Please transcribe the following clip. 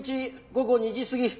午後２時すぎ。